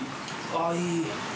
ああいい。